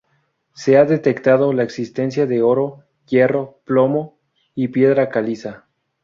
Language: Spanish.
Se ha detectado la existencia de Oro, hierro, plomo y piedra caliza.